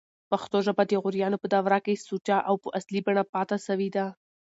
پښتو ژبه دغوریانو په دوره کښي سوچه او په اصلي بڼه پاته سوې ده.